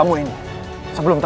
aku harus lakukan penyusup itu